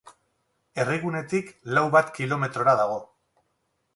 Herrigunetik lau bat kilometrora dago.